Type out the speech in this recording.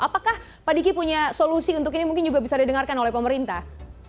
apakah pak diki punya solusi untuk ini mungkin juga bisa didengarkan oleh pemerintah